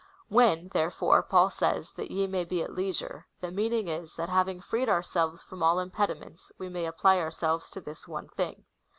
When, therefore, Paul says, that ye may he at leisure, tlie meaning is, that having freed ourselves from all impediments, we may apply ourselves to this one thing.